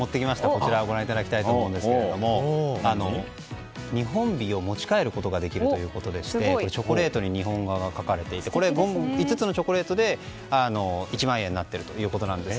こちらご覧いただきたいと思いますが日本美を持ち帰ることができるということでチョコレートに日本語が書かれていて５つのチョコレートで１枚画になっているということです。